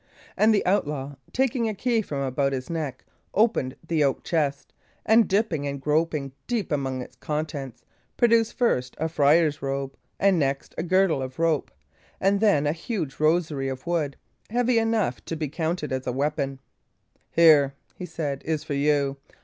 And the outlaw, taking a key from about his neck, opened the oak chest, and dipping and groping deep among its contents, produced first a friar's robe, and next a girdle of rope; and then a huge rosary of wood, heavy enough to be counted as a weapon. "Here," he said, "is for you.